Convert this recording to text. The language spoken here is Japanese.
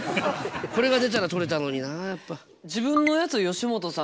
これが出たら取れたのになやっぱ。